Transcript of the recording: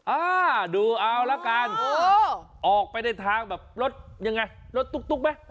อ่าดูเอาละกันออกไปในทางแบบรถยังไงรถตุ๊กไหม